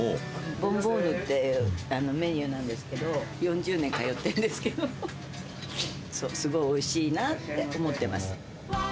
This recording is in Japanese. ボンボーヌっていうメニューなんですけど、４０年通ってんですけど、すごいおいしいなって思ってます。